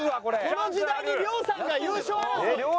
この時代に亮さんが優勝争い！